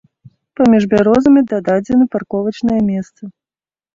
Паміж бярозамі дададзены парковачныя месцы.